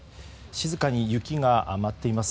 静かに雪が舞っています。